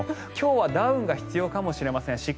今日はダウンが必要かもしれません。